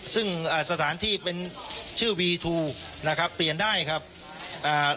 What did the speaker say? ซึ่งอ่าสถานที่เป็นชื่อวีทูนะครับเปลี่ยนได้ครับอ่า